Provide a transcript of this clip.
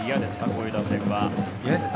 こういう打線は。